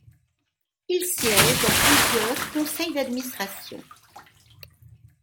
Il siège dans plusieurs conseil d'administration.